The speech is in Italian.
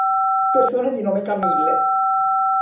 Persone di nome Camille